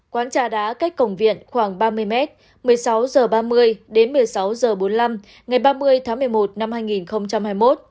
quán trà đá cách cổng viện khoảng ba mươi m một mươi sáu h ba mươi đến một mươi sáu h bốn mươi năm ngày ba mươi tháng một mươi một năm hai nghìn hai mươi một